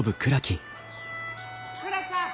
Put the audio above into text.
・倉木さん！